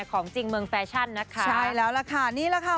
ของจริงเมืองแฟชั่นนะคะใช่แล้วล่ะค่ะนี่แหละค่ะ